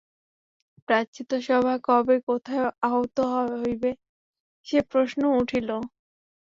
প্রায়শ্চিত্তসভা কবে কোথায় আহূত হইবে সে প্রশ্নও উঠিল।